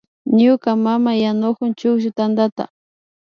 Ñuka mama yanukun chukllu tantata